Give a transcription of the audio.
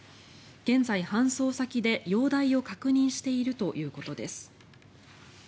現在、搬送先で容体を確認しているということです。